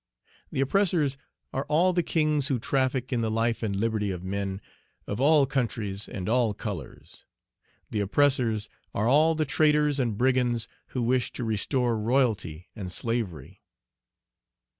The oppressors are all the kings who traffic in the life and liberty of men of all countries and all colors. The oppressors are all the traitors and brigands who wish to restore royalty and slavery."